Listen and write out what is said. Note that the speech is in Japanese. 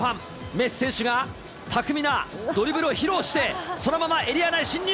メッシ選手が巧みなドリブルを披露して、そのままエリア内に進入。